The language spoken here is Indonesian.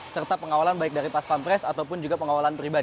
serta pengawalan baik dari paspampres ataupun juga pengawalan perintah